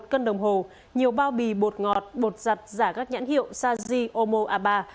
một cân đồng hồ nhiều bao bì bột ngọt bột giặt giả các nhãn hiệu sazhi omo abba